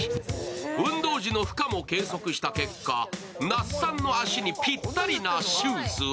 運動時の負荷も計測した結果、那須さんの足にぴったりなシューズは